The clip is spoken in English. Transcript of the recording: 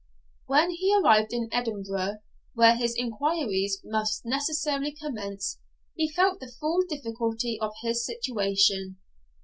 When he arrived in Edinburgh, where his inquiries must necessarily commence, he felt the full difficulty of his situation.